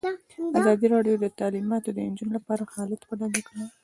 ازادي راډیو د تعلیمات د نجونو لپاره حالت په ډاګه کړی.